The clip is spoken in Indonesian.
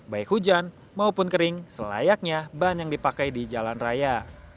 baik hujan maupun kering selayaknya ban yang dipakai di jalan raya